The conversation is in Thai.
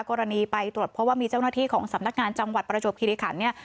กรณีไปตรวจเพราะว่ามีเจ้าหน้าที่ของสำนักงานจังหวัดประจวบคิริขันเนี่ย